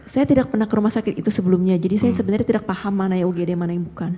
saya tidak pernah ke rumah sakit itu sebelumnya jadi saya sebenarnya tidak paham mana yang ugd mana yang bukan